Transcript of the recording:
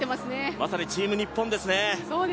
まさにチーム日本ですね。